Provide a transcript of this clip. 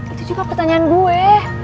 itu juga pertanyaan gue